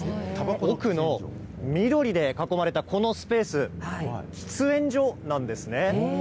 奥の緑で囲まれたこのスペース、喫煙所なんですね。